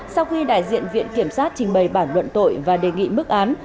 sau khi đại diện viện kiểm sát trình bày bản luận tội và đề nghị mức án